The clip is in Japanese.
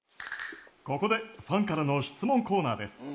ここでファンからの質問コーナーです。